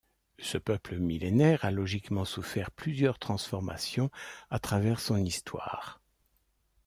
Ce peuple millénaire, a logiquement souffert plusieurs transformations à travers son histoire.